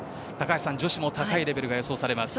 女子もハイレベルが期待されます。